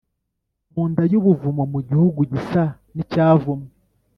Mu nda y’ubuvumo, Mu gihugu gisa n’icyavumwe.